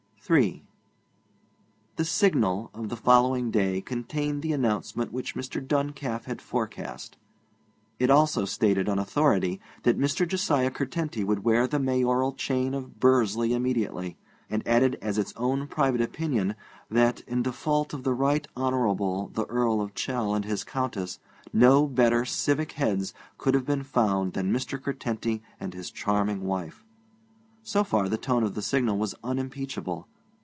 III The Signal of the following day contained the announcement which Mr. Duncalf had forecast; it also stated, on authority, that Mr. Josiah Curtenty would wear the mayoral chain of Bursley immediately, and added as its own private opinion that, in default of the Right Honourable the Earl of Chell and his Countess, no better 'civic heads' could have been found than Mr. Curtenty and his charming wife. So far the tone of the Signal was unimpeachable.